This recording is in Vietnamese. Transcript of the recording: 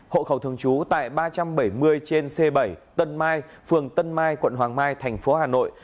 hộ khẩu thường trú tại ba trăm bảy mươi trên c bảy tân mai phường tân mai quận hoàng mai thành phố hà nội